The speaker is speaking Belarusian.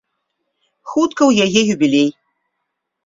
Хутка ў яе юбілей.